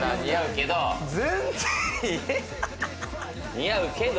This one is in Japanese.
似合うけど。